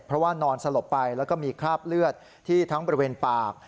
เพราะว่านอนสลบไปแล้วก็มีคราบเลือดที่ทั้งบริเวณปาก